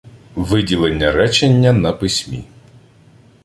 Виділення речення на письмі